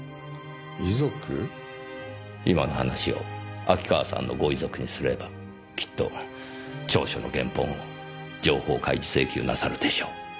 今の話を秋川さんのご遺族にすればきっと調書の原本を情報開示請求なさるでしょう。